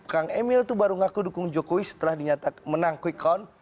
kang emil itu baru ngaku dukung jokowi setelah dinyatakan menang quick count